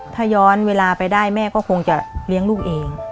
ถ้าย้อนเวลาไปได้แม่ก็คงจะเลี้ยงลูกเอง